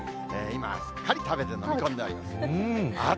今はすっかり食べて、飲み込んでおります。